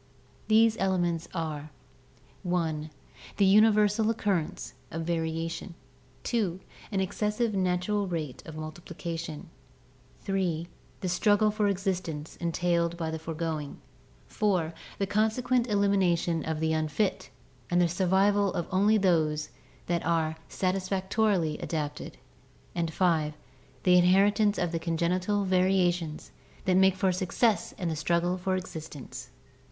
These elements are (i) the universal occurrence of variation, (2) an excessive natural rate of multiplica tion, (3) the struggle for existence entailed by the foregoing, (4) the consequent elimination of the unfit and the survival of only those that are satisfactorily adapted, and (5) the inheritance of the congenital [see page 133] variations that make for success in the struggle for existence.